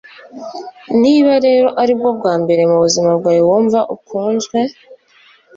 niba rero aribwo bwa mbere mubuzima bwawe wumva ukunzwe